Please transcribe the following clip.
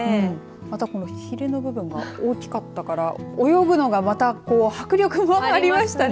また、このひれの部分が大きかったから泳ぐのがまた迫力もありましたね。